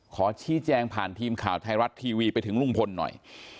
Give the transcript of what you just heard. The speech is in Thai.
ขอชี้แจงผ่านทีมข่าวไทยรัฐทีวีไปถึงลุงพลหน่อย